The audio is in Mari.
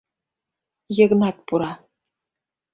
Йыгнат пура.